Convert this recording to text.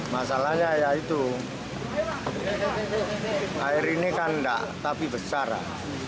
masalahnya ya itu air ini kan enggak tapi besar lah